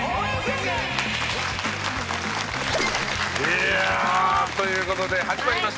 いやあ！という事で始まりました。